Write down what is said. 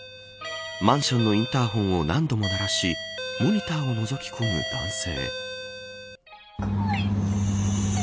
マンションのインターホンを何度も鳴らしモニターをのぞきこむ男性。